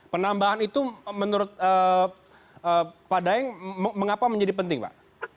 penambahan itu menurut pak daeng mengapa menjadi penting pak